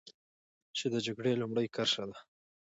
چې د جګړې لومړۍ کرښه ده.